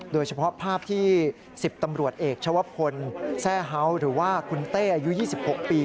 โดยเฉพาะภาพที่๑๐ตำรวจเอกชวพลแซ่เฮ้าหรือว่าคุณเต้อายุ๒๖ปี